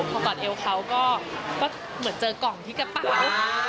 พอกอดเอวเขาก็เหมือนเจอกล่องที่กระเป๋า